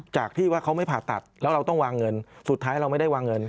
จากที่ว่าเขาไม่ผ่าตัดแล้วเราต้องวางเงินสุดท้ายเราไม่ได้วางเงิน